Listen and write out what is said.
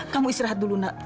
kamu istirahat dulu nak